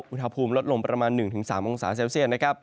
อุณหภูมิลดลมประมาณ๑๓องศาเซลเซียด